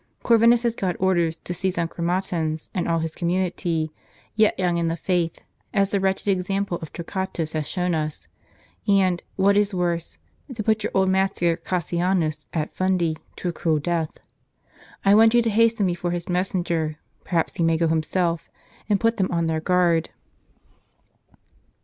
Corvinus has got orders to seize on Chromatins and all his community, yet young in the faith, as the wretched example of Torquatus has shown us ; and, what is worse, to put your old master Cassianus, at Fundi, to a cruel death. I want you to hasten before his messenger (perhaps he may go himself), and put them on their guard."